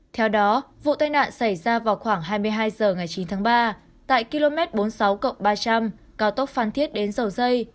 theo đó vụ tai nạn xảy ra vào khoảng hai mươi hai h ngày chín tháng ba tại km bốn mươi sáu ba trăm linh cao tốc phan thiết đến dầu dây